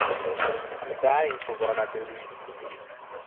I'm dying for what I believe.